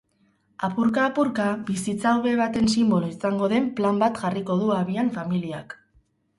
Apurka-apurka bizitza hobe baten sinbolo izango den plan bat jarriko du abian familiak.